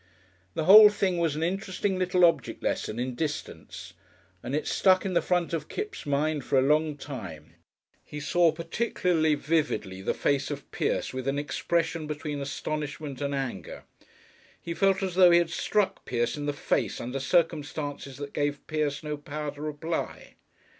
The whole thing was an interesting little object lesson in distance, and it stuck in the front of Kipps' mind for a long time. He had particularly vivid the face of Pierce, with an expression between astonishment and anger. He felt as though he had struck Pierce in the face under circumstances that gave Pierce no power to reply.